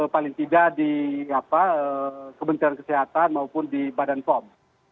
paling tidak di kementerian kesehatan maupun di badan pom